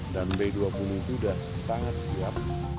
b dua puluh itu sudah sangat siap